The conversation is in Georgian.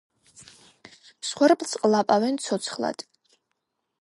მსხვერპლს ყლაპავენ ცოცხლად.